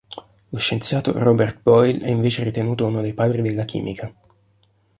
Lo scienziato Robert Boyle è invece ritenuto uno dei padri della Chimica.